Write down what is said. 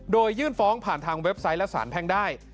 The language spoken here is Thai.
โดยยื่นฟ้องผ่านทางเว็บไซต์และสารแพ่งได้